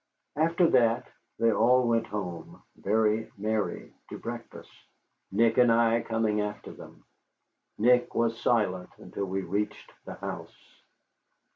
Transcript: After that they all went home, very merry, to breakfast, Nick and I coming after them. Nick was silent until we reached the house.